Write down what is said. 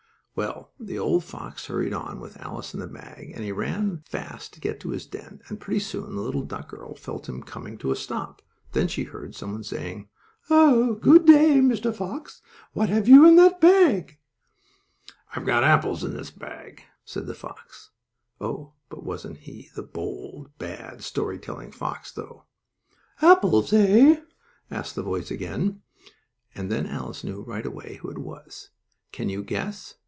Well, the old fox hurried on, with Alice in the bag and he ran fast to get to his den, and pretty soon the little duck girl felt him coming to a stop. Then she heard some one saying: "Ah, good day, Mr. Fox; what have you in that bag?" "I have apples in this bag," said the fox. Oh, but wasn't he the bold, bad story telling fox, though? "Apples, eh?" asked the voice again, and then Alice knew right away who it was. Can you guess?